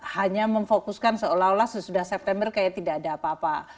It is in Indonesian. hanya memfokuskan seolah olah sesudah september kayak tidak ada apa apa